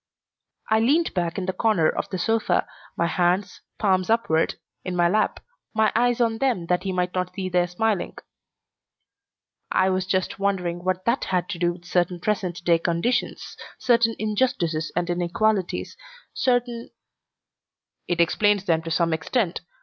I leaned back in the corner of the sofa, my hands, palms upward, in my lap, my eyes on them that he might not see their smiling. "I was just wondering what that had to do with certain present day conditions, certain injustices and inequalities, certain " "It explains them to some extent.